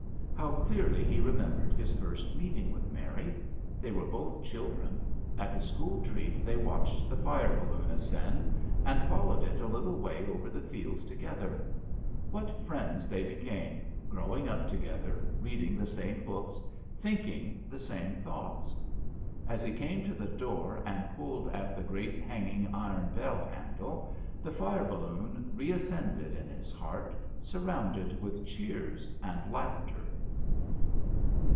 How clearly he remembered his first meeting with Mary. They were both children. At a school treat they watched the fire balloon ascend, and followed it a little way over the fields together. What friends they became, growing up to gether, reading the same books, thinking the same thoughts. JOHN SHERMAN. 153 As he came to the door and pulled at the great hanging iron bell handle, the fire balloon re ascended in his heart, surrounded with cheers and laughter.